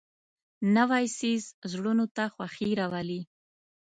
نوی څېز زړونو ته خوښي راولي